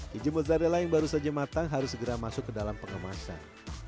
keju mozzarella yang baru saja matang harus segera masuk ke dalam pengemasan